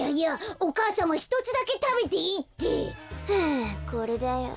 あこれだよ。